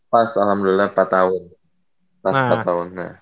pas alhamdulillah empat tahun pas empat tahun